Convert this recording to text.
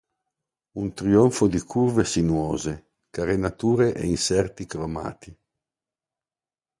Un trionfo di curve sinuose, carenature ed inserti cromati.